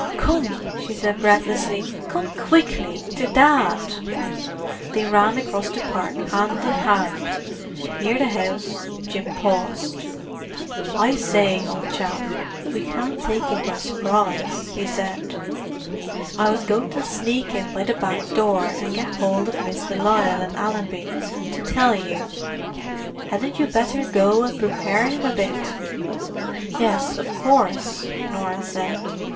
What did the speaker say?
"Come!" she said breathlessly. "Come quickly—to Dad!" They ran across the park, hand in hand. Near the house Jim paused. "I say, old chap, we can't take him by surprise," he said. "I was going to sneak in by the back door, and get hold of Miss de Lisle and Allenby, to tell you. Hadn't you better go and prepare him a bit?" "Yes, of course," Norah said.